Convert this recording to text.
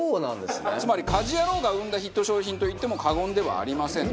つまり『家事ヤロウ！！！』が生んだヒット商品と言っても過言ではありません。